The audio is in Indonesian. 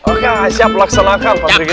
oke siap laksanakan pak sri kiti